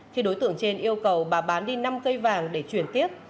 khi đối tượng trên yêu cầu bà bán đi năm cây vàng để chuyển tiếp